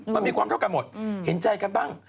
มันมีความเท่ากันหมดเห็นใจกันบ้าง